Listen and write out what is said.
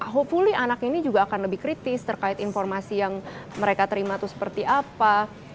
hopuli anak ini juga akan lebih kritis terkait informasi yang mereka terima itu seperti apa